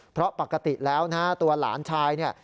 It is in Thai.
เพราะปกติแล้วนะฮะตัวหลานชายเนี่ย